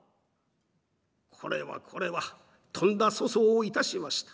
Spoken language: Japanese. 「これはこれはとんだ粗相をいたしました。